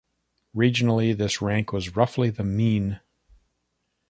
Regionally, this rank was roughly the mean.